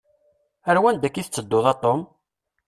Ar wanda akka i tettedduḍ a Tom?